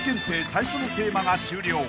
最初のテーマが終了］